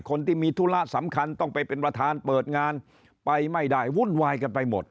คนที่มีธุระสำคัญต้องไปเป็นประธานเปิดงานไปไม่ได้วุ่นวายกันไปหมด